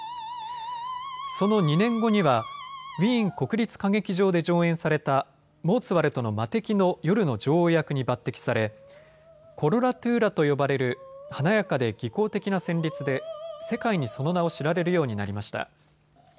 その２年後にはウィーン国立歌劇場で上演されたモーツァルトの魔笛の夜の女王役に抜てきされコロラトゥーラと呼ばれる華やかで技巧的な旋律で世界にその名を知られるようになりました。